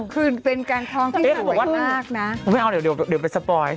คือเป็นการท้องที่สวยมากนะแต่ถ้าบอกว่าไม่เอาเดี๋ยวเดี๋ยวไปสปอย